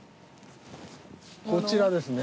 こちらですね。